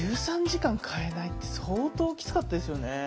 １３時間替えないって相当きつかったですよね。